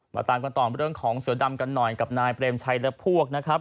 ตามกันต่อเรื่องของเสือดำกันหน่อยกับนายเปรมชัยและพวกนะครับ